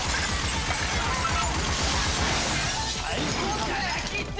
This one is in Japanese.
最高だぜ！